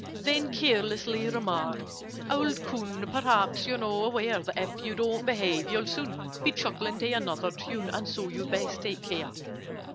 "Then carelessly remark 'Old coon! Perhaps you're not aware That, if you don't behave, you'll soon Be chuckling to another tune— And so you'd best take care!